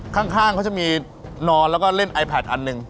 ข้างเขาจะมีนอนแล้วก็เล่นไอแพทอันหนึ่ง